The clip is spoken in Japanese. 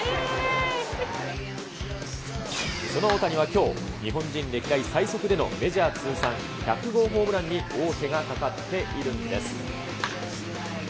その大谷はきょう、日本人歴代最速でのメジャー通算１００号ホームランに王手がかかっているんです。